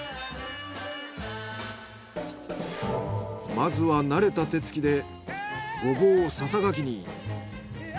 まずは慣れた手つきでゴボウをささがきに。